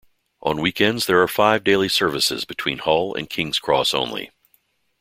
On weekends there are five daily services between Hull and King's Cross only.